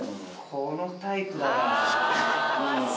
このタイプだわ。